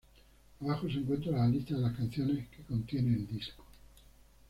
Abajo se encuentra la lista de las canciones que contiene el disco.